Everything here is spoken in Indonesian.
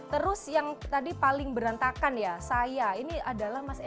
terus yang tadi paling berantakan ya saya ini adalah mas eko